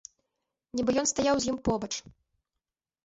Нібы ён стаяў з ім побач.